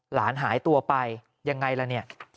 หลานหายตัวไปยังไงล่ะเนี่ย